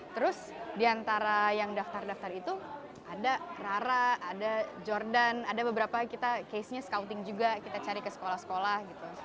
terus diantara yang daftar daftar itu ada rara ada jordan ada beberapa kita case nya scouting juga kita cari ke sekolah sekolah gitu